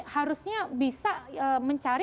harusnya bisa mencari